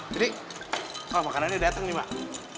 jadi kalau makanannya udah dateng nih mbak